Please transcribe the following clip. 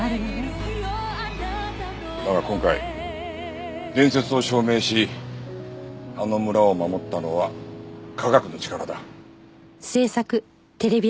だが今回伝説を証明しあの村を守ったのは科学の力だ。